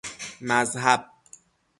مذهب